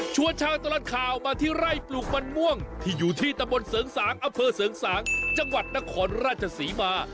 ชาวตลอดข่าวมาที่ไร่ปลูกมันม่วงที่อยู่ที่ตะบนเสริงสางอำเภอเสริงสางจังหวัดนครราชศรีมา